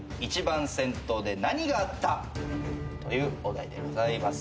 というお題でございます。